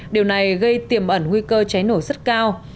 điều này gây tiềm ẩn nguy cơ cháy nổ rất cao